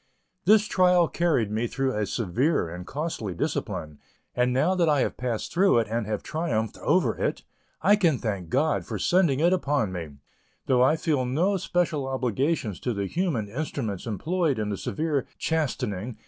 This trial carried me through a severe and costly discipline, and now that I have passed through it and have triumphed over it, I can thank God for sending it upon me, though I feel no special obligations to the human instruments employed in the severe chastening.